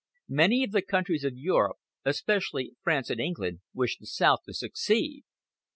Many of the countries of Europe, especially France and England, wished the South to succeed.